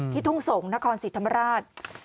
ที่ทุ่งสงฆ์นครศิษย์ธรรมราช